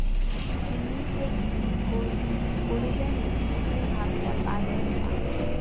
তিনি যে কী করিবেন কিছুই ভাবিয়া পাইলেন না।